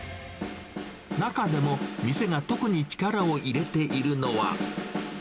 中でも店が特に力を入れているのは。